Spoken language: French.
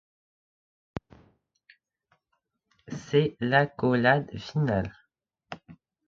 C'est l'accolade finale.